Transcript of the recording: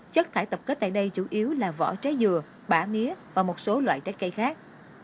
chất thải tập kết tại đây chủ yếu là vỏ trái dừa bã mía và một số loại trái cây khác